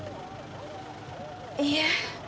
いえ。